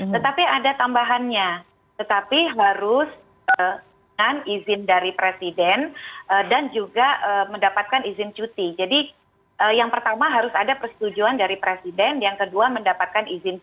tetapi ada tambahannya tetapi harus dengan izin dari presiden dan juga mendapatkan izin cuti jadi yang pertama harus ada persetujuan dari presiden yang kedua mendapatkan izin cuti